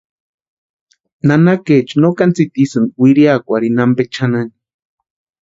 Nanakaecha no kani tsitisïnti wiriakweri ampe chʼanani.